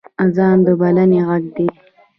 اذان د بلنې غږ دی